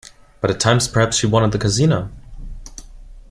But at times perhaps she won at the casino?